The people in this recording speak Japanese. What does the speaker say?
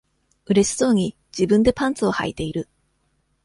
うれしそうに、自分でパンツをはいている。